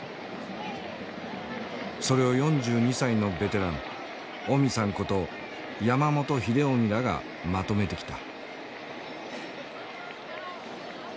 それを４２歳のベテランオミさんこと山本英臣らがまとめてきた。